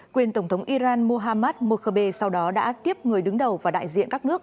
quyền tổng thống iran mohammad mokhebe sau đó đã tiếp người đứng đầu và đại diện các nước